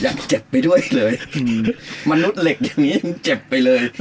เจ็บไปด้วยเลยมนุษย์เหล็กอย่างงี้ยังเจ็บไปเลย